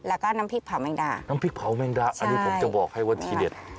แล้วก็น้ำพริกเผาแมงดาน้ำพริกเผาแมงดาอันนี้ผมจะบอกให้ว่าทีเด็ด